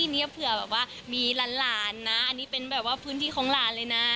เขาก็มีค่ะเพื่อว่าพื้นที่นี้มีหลานนะอันนี้เป็นแบบว่าพื้นที่ของหลานเลยนะ